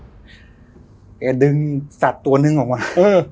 แล้วแกดึงสัตว์ตัวนึงออกมือ